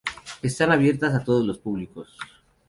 Están abiertas a todos los públicos.